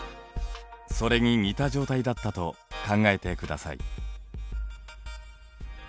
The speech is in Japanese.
それに似た状態だったと考えてください。